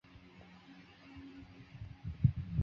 柔毛猪笼草是婆罗洲加里曼丹特有的热带食虫植物。